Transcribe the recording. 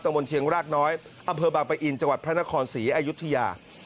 บนเชียงรากน้อยอำเภอบางปะอินจังหวัดพระนครศรีอายุทยา